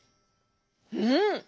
うん！